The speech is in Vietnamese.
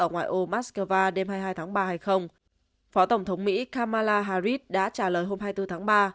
ở ngoại ô moscow đêm hai mươi hai tháng ba hay không phó tổng thống mỹ kamala harris đã trả lời hôm hai mươi bốn tháng ba